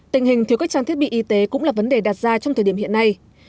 tình hình thiếu các trang thiết bị y tế cũng là vấn đề đạt ra trong thời điểm hiện nay